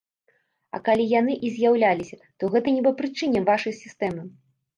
А калі яны і з'яўляліся, то гэта не па прычыне вашай сістэмы.